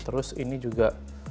terus ini juga